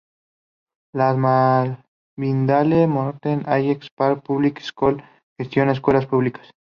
Las Melvindale-Northern Allen Park Public Schools gestiona escuelas públicas.